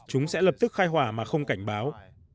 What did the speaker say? chúng sẽ lập tức khai hỏa mà không cảnh báo